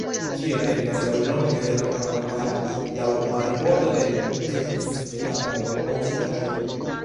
Ĝi etendas laŭlonge de la Korala Maro laŭ marbordo de Kvinslando, Aŭstralio.